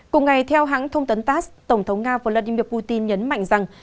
cùng ngày theo hãng thông tấn tass tổng thống nga vladimir putin nhấn mạnh rằng